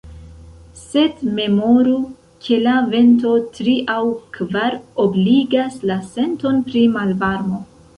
Sed memoru, ke la vento tri- aŭ kvar-obligas la senton pri malvarmo.